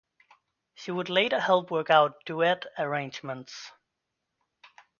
She would later help work out duet arrangements.